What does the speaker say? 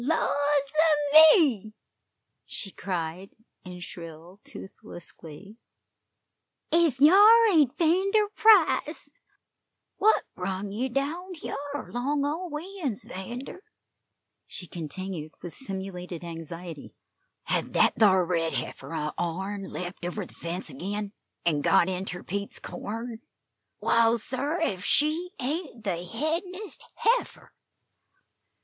"Laws a me!" she cried, in shrill, toothless glee; "ef hyar ain't 'Vander Price! What brung ye down hyar along o' we uns, 'Vander?" she continued, with simulated anxiety. "Hev that thar red heifer o' ourn lept over the fence agin, an' got inter Pete's corn? Waal, sir, ef she ain't the headin'est heifer!"